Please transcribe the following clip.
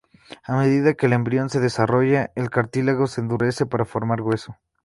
A medida que el embrión se desarrolla, el cartílago se endurece para formar hueso.